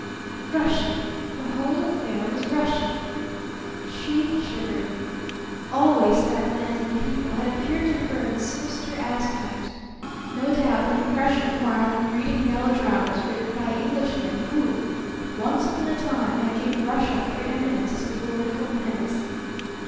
Russian; the whole affair was Russian. She shivered. Always that land and people had appeared to her in sinister aspect; no doubt an impression acquired from reading melodramas written by Englishmen who, once upon a time, had given Russia preeminence as a political menace.